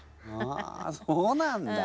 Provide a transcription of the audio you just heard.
あそうなんだ。